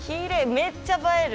めっちゃ映える。